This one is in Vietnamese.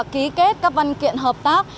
ký kết các văn kiện hợp tác